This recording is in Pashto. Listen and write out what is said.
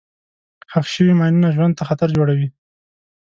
ښخ شوي ماینونه ژوند ته خطر جوړوي.